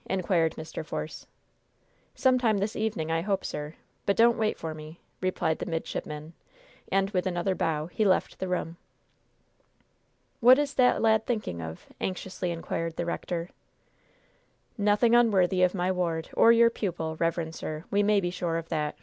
inquired Mr. Force. "Some time this evening, I hope, sir; but don't wait for me," replied the midshipman, and, with another bow, he left the room. "What is that lad thinking of?" anxiously inquired the rector. "Nothing unworthy of my ward, or your pupil, reverend sir, we may be sure of that!"